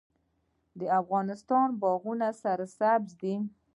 د افغانستان باغونه سرسبز دي